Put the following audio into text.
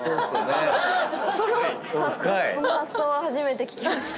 その発想は初めて聞きました。